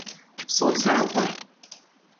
ثلث اول